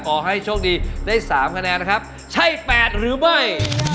ขอให้โชคดีได้๓คะแนนนะครับใช่๘หรือไม่